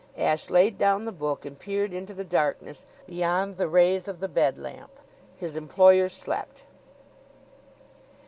Ashe laid down the book and peered into the darkness beyond the rays of the bed lamp. His employer slept.